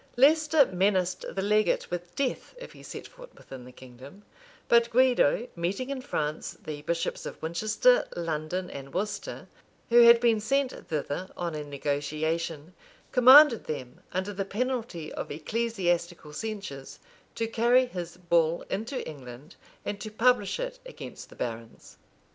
[*] Leicester menaced the legate with death if he set foot within the kingdom; but Guido, meeting in France the bishops of Winchester, London, and Worcester, who had been sent thither on a negotiation, commanded them, under the penalty of ecclesiastical censures, to carry his bull into England, and to publish it against the barons.